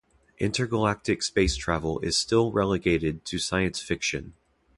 Intergalactic space travel is still relegated to science-fiction